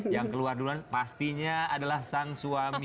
yang keluar duluan pastinya adalah sang suami